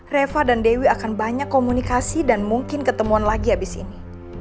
reva dan dewi akan banyak komunikasi dan mungkin ketemuan lagi abis ini